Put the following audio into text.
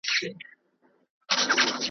زما قلا به نه وي ستا په زړه کي به آباد سمه .